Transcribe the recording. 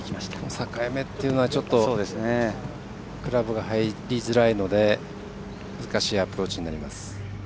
境目というのはちょっとクラブが入りづらいので難しいアプローチになります。